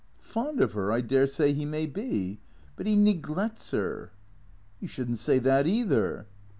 " Fond of 'er I dare say 'E may be. But 'E neglec's 'er." "You shouldn't say that, either."